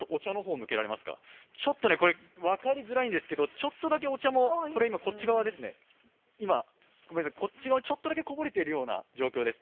これ、分かりづらいんですけど、ちょっとだけお茶も今、こっち側ですね、ちょっとだけこぼれているような感じです。